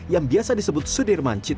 yang biasa disebut sudirman